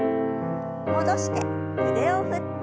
戻して腕を振って。